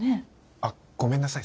あっごめんなさい